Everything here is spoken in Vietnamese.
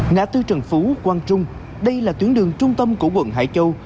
ngã tư trần phú quang trung đây là tuyến đường trung tâm của quận hải châu